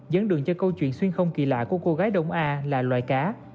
dẫn đường cho câu chuyện xuyên không kỳ lạ của cô gái đông a là loài cá